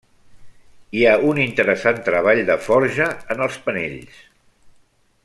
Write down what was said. Hi ha un interessant treball de forja en els penells.